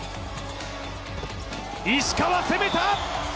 石川、攻めた。